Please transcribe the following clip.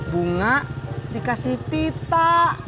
bunga dikasih tita